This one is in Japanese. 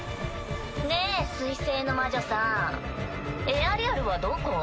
ねえ水星の魔女さんエアリアルはどこ？